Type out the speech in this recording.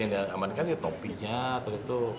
yang diamankan ya topinya atau itu